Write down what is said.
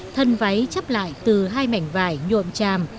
thân váy chấp lại từ hai mảnh vải nhuộm tràm